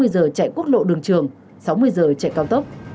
hai mươi giờ chạy quốc lộ đường trường sáu mươi giờ chạy cao tốc